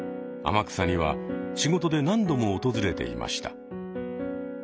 天草には仕事で何度も訪れていました。